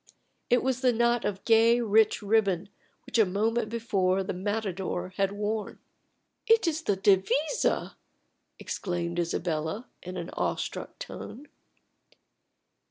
It was the knot of gay, rich ribbon which a moment before the matador had worn. "It is the devisa!" exclaimed Isabella, in an awestruck tone.